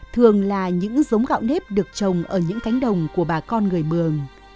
thường là những giống gạo nếp được trồng ở những cánh đồng của bà con người mường